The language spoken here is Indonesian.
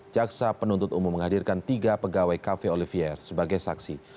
jaksa penuntut umum menghadirkan tiga pegawai cafe olivier sebagai saksi